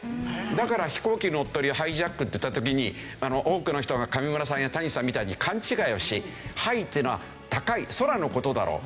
だから飛行機乗っ取りをハイジャックっていった時に多くの人が上村さんや谷さんみたいに勘違いをし「ハイ」っていうのは「高い」空の事だろう。